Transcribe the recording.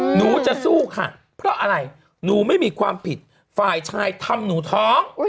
หนูจะสู้ค่ะเพราะอะไรหนูไม่มีความผิดฝ่ายชายทำหนูท้อง